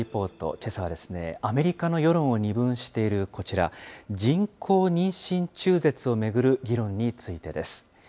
けさは、アメリカの世論を二分しているこちら、人工妊娠中絶を巡る議論についてです。